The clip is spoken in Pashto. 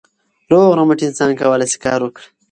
روغ رمټ انسان کولای سي کار وکړي.